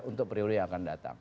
untuk periode yang akan datang